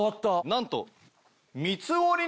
なんと。